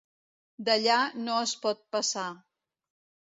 D'allà no espot passar.